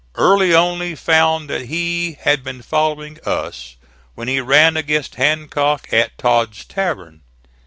Early only found that he had been following us when he ran against Hancock at Todd's Tavern.